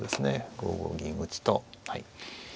５五銀打と。